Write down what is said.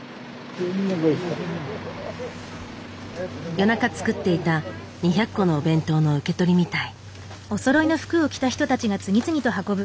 夜中作っていた２００個のお弁当の受け取りみたい。